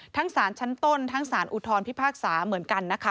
สารชั้นต้นทั้งสารอุทธรพิพากษาเหมือนกันนะคะ